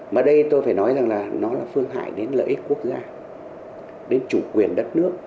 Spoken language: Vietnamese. mà đây tôi phải nói rằng là nó là phương hại đến lợi ích quốc gia đến chủ quyền đất nước